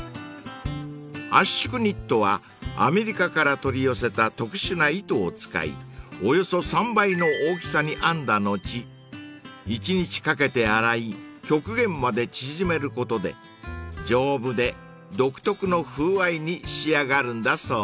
［圧縮ニットはアメリカから取り寄せた特殊な糸を使いおよそ３倍の大きさに編んだ後１日かけて洗い極限まで縮めることで丈夫で独特の風合いに仕上がるんだそうです］